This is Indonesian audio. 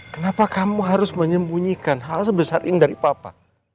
kenapa kamu harus menyembunyikan hal sebesar ini dari papa